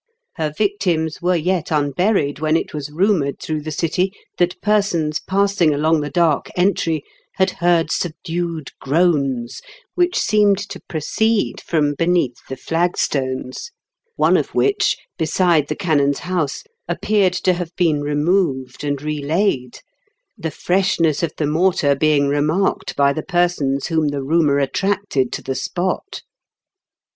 Her victims were yet unburied when it was rumoured through the city that persons pass ing along the Dark Entry had heard subdued groans, which seemed to proceed from beneath the flagstones, one of which, beside the canon's H 2 i 164 IN KENT WITH CHARLES DICKENS, bouse, appeared to have been removed and relaid, the freshness of the mortar being remarked by the persons whom the rumour attracted to the spot.